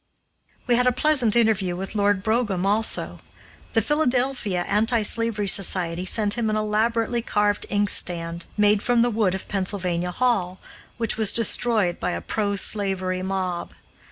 We had a pleasant interview with Lord Brougham also. The Philadelphia Anti slavery Society sent him an elaborately carved inkstand, made from the wood of Pennsylvania Hall, which was destroyed by a pro slavery mob.